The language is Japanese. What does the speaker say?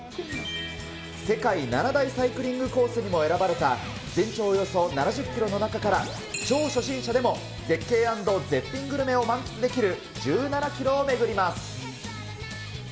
世界７大サイクリングコースにも選ばれた、全長およそ７０キロの中から、超初心者でも絶景＆絶品グルメを満喫できる１７キロを巡ります。